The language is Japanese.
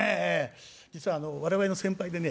実はあの我々の先輩でね